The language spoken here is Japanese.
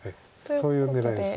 そういう狙いです。